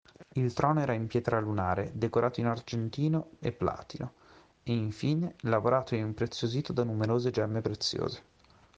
Il trono era in pietra lunare, decorato in argentino e platino e, infine, lavorato e impreziosito da numerose gemme preziose.